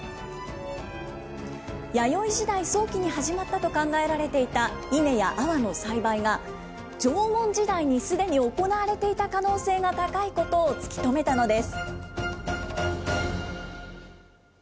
弥生時代早期に始まったと考えられていたイネやアワの栽培が、縄文時代にすでに行われていた可能性が高いことを突き止めたのです。